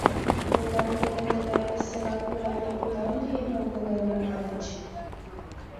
«Мемнан дене тыгай весела кува нигунам лийын огыл ыле», — маньыч.